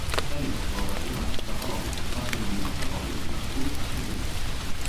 Fèlix Torres i Amat de Palou va ser un bisbe catòlic nascut a Sallent.